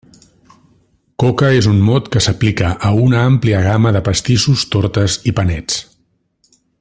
Coca és un mot que s'aplica a una àmplia gamma de pastissos, tortes i panets.